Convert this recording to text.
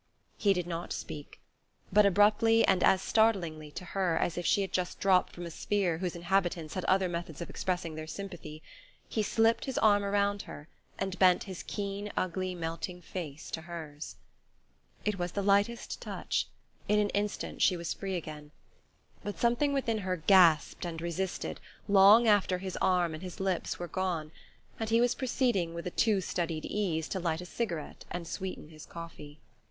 He did not speak; but abruptly, and as startlingly to her as if she had just dropped from a sphere whose inhabitants had other methods of expressing their sympathy, he slipped his arm around her and bent his keen ugly melting face to hers.... It was the lightest touch in an instant she was free again. But something within her gasped and resisted long after his arm and his lips were gone, and he was proceeding, with a too studied ease, to light a cigarette and sweeten his coffee.